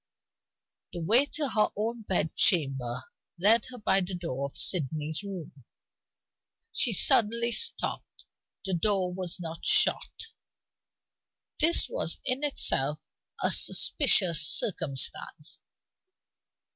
The way to her own bed chamber led her by the door of Sydney's room. She suddenly stopped; the door was not shut. This was in itself a suspicious circumstance.